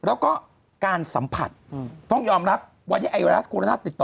แล้วก็การสัมผัสต้องยอมรับวันนี้ไอวารัสโคโรนาติดต่อ